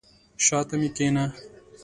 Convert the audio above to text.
شاته مي کښېنه !